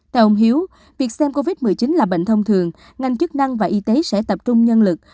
theo ông hiếu việc xem covid một mươi chín là bệnh thông thường ngành chức năng và y tế sẽ tập trung nhân lực